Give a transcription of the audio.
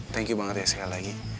thank you banget ya sekali lagi